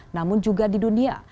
namun juga di dunia